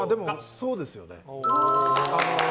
そうですよね。